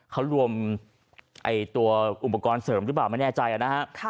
เขารวมตัวอุปกรณ์เสริมหรือเปล่าไม่แน่ใจนะฮะ